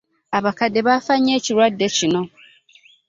abakadde baafa nnyo ekirwadde kino.